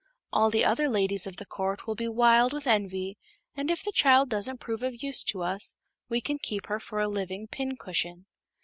All the other ladies of the court will be wild with envy, and if the child doesn't prove of use to us we can keep her for a living pincushion."